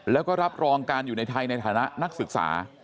แล้วก็รับรองการอยู่ในไทยในฐานะนักศึกษา